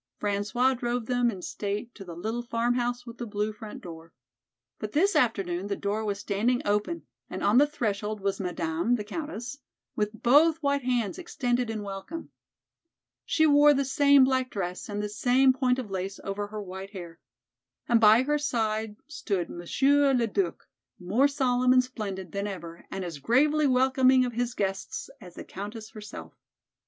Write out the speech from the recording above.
François drove them in state to the little "Farmhouse with the Blue Front Door." But this afternoon the door was standing open and on the threshold was Madame, the Countess, with both white hands extended in welcome. She wore the same black dress and the same point of lace over her white hair. And by her side stood Monsieur Le Duc, more solemn and splendid than ever and as gravely welcoming of his guests as the Countess herself.